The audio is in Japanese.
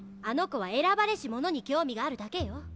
あの子は選ばれし者に興味があるだけよ